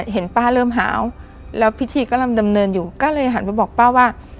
เห็นป้าเริ่มหาวแล้วพิธีกำลังดำเนินอยู่ก็เลยหันไปบอกป้าว่า